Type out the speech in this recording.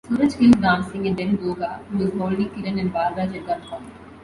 Suraj kills Ramsingh and then Goga, who was holding Kiran and Balraj at gunpoint.